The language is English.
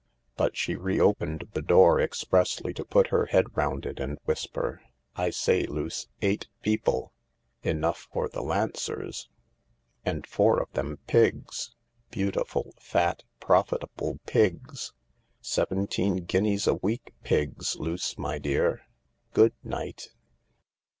But she re opened the door expressly to put her head round it and whisper :" I say, Luce, eight people ! Enough for the Lancers. And four of them Pigs — beautiful, fat, profitable Pigs ! Seventeen guineas a week Pigs, Luce, my dear ! Good night